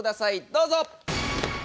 どうぞ！